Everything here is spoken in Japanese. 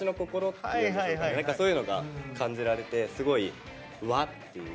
そういうのが感じられてすごい和っていう。